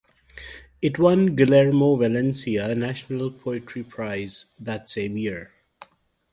It won the Guillermo Valencia National Poetry Prize that same year.